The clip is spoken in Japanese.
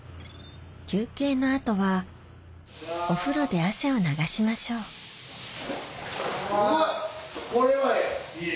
休憩の後はお風呂で汗を流しましょうすごい！